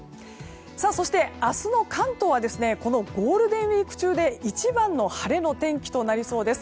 そして、明日の関東はこのゴールデンウィーク中で一番の晴れの天気となりそうです。